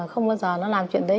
không bao giờ nó làm chuyện đấy